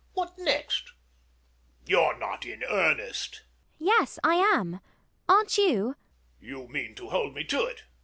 What next! You're not in earnest? ELLIE. Yes, I am. Aren't you? MANGAN. You mean to hold me to it?